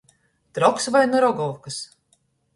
Troks voi nu Rogovkys!